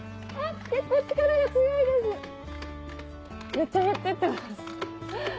めっちゃ減ってってます。